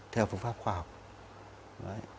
theo phương pháp của các bệnh viêm gan